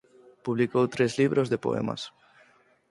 Publicou tres libros de poemas.